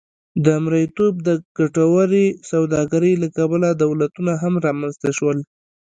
د مریتوب د ګټورې سوداګرۍ له کبله دولتونه هم رامنځته شول.